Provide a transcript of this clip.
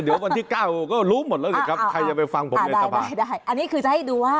เดี๋ยววันที่เก้าก็รู้หมดแล้วสิครับใครจะไปฟังผมได้ได้อันนี้คือจะให้ดูว่า